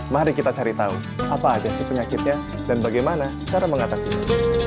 mari kita cari tahu apa aja sih penyakitnya dan bagaimana cara mengatasinya